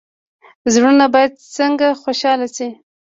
زړونه باید څنګه خوشحاله شي؟